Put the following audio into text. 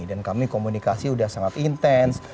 dan kami komunikasi sudah sangat intens